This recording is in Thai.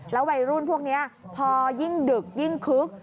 วัยรุ่นพวกนี้พอยิ่งดึกยิ่งคึก